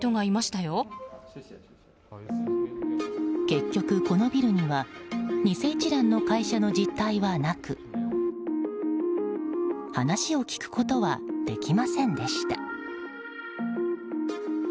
結局、このビルには偽一蘭の会社の実体はなく話を聞くことはできませんでした。